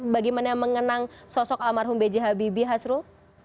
bagaimana mengenang sosok almarhum b j habibie hasrul